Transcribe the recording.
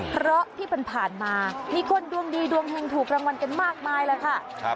เพราะที่ผ่านมามีคนดวงดีดวงหนึ่งถูกรางวัลกันมากมายแล้วค่ะ